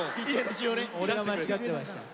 俺が間違ってました。